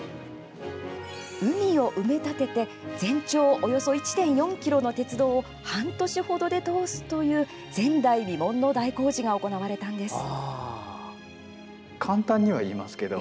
海を埋め立てて全長およそ１．４ｋｍの鉄道を半年程で通すという前代未聞の大工事が行われたんです。